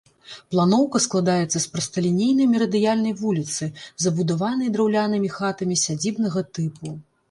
Планоўка складаецца з прасталінейнай мерыдыянальнай вуліцы, забудаванай драўлянымі хатамі сядзібнага тыпу.